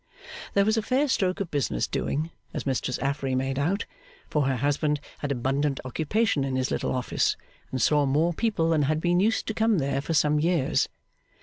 There was a fair stroke of business doing, as Mistress Affery made out, for her husband had abundant occupation in his little office, and saw more people than had been used to come there for some years.